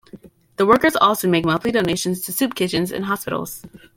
The workers also make monthly donations to soup kitchens and hospitals.